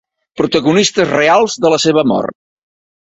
Protagonistes reals de la seva mort.